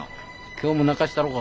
今日も泣かしたろか。